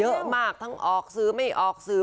เยอะมากทั้งออกสื่อไม่ออกสื่อ